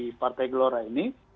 di partai gelora ini